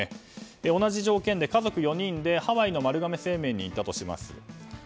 同じ条件で家族４人でハワイの丸亀製麺に行ったとします。